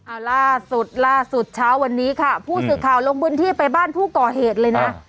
เอาล่าสุดล่าสุดเช้าวันนี้ค่ะผู้สื่อข่าวลงพื้นที่ไปบ้านผู้ก่อเหตุเลยนะ